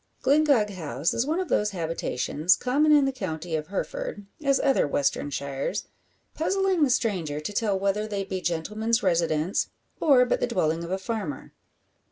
Glyngog House is one of those habitations, common in the county of Hereford as other western shires puzzling the stranger to tell whether they be gentleman's residence, or but the dwelling of a farmer.